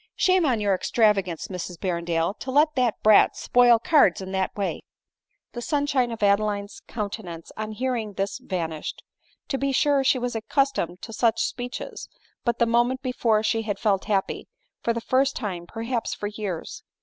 Shame on your extravagance, Mrs Berrendale, to let that brat spoil cards \ in that way !",• The sunshine of Adeline's countenance on hearing this vanished ; to be sure, she was accustomed to such speech es ; but the moment before she had felt happy, for the first time, perhaps, for years.